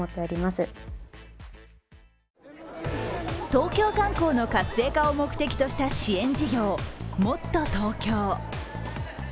東京観光の活性化を目的とした支援事業、もっとＴｏｋｙｏ。